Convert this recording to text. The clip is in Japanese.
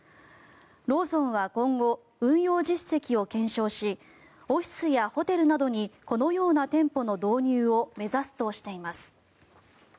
ローソンは今後運用実績を検証しオフィスやホテルなどにこのような店舗の導入を目指すとしています。